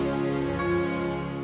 ada di mana